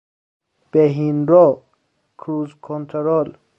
بهین رو، کروز کنترل